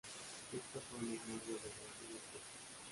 Estas son las más relevantes del pueblo.